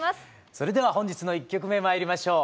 それでは本日の１曲目まいりましょう。